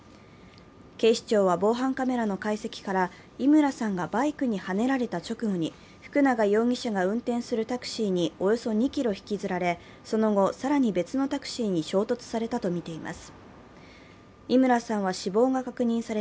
警視庁は防犯カメラの解析から伊村さんがバイクにはねられた直後に福永容疑者が運転するタクシーにおよそ２ｋｍ引きずられその後、更に別のタクシーに衝突されたとみています。